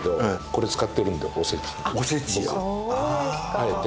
あえて。